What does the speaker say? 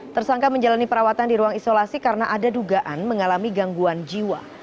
tersangka menjalani perawatan di ruang isolasi karena ada dugaan mengalami gangguan jiwa